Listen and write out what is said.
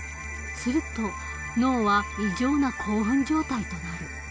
すると脳は異常な興奮状態となる。